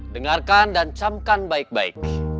dengarkan dan camkan baik baik